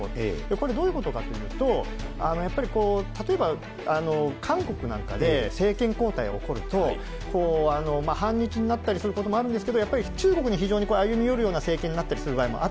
これ、どういうことかというと、やっぱり、例えば韓国なんかで政権交代が起こると反日になったりすることもあるんですけど、やっぱり中国に歩み寄るような政権にあったりして。